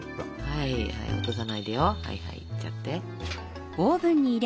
はいはい落とさないでよ。いっちゃって。